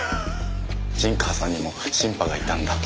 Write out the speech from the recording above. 陣川さんにもシンパがいたんだ。